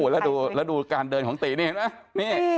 แล้วดูการเดินของตีนี่เห็นไหม